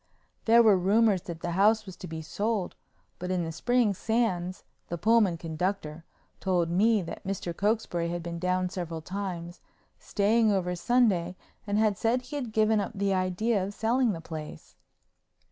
There were rumors that the house was to be sold, but in the spring Sands, the Pullman conductor, told me that Mr. Cokesbury had been down several times, staying over Sunday and had said he had given up the idea of selling the place.